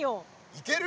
いける？